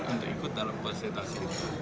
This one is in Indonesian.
untuk ikut dalam konsentrasi